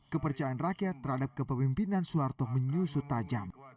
kepercayaan rakyat terhadap kepemimpinan soeharto menyusut tajam